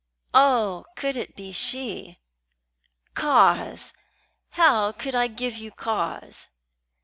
Oh, could it be she? "Cause? How could I give you cause?"